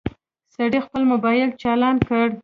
سړي خپل موبايل چالان کړ.